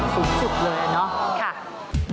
สูงสุดเลยเนาะ